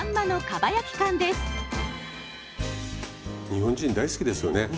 日本人大好きですよね。